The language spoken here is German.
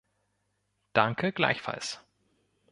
Danke, gleichfalls!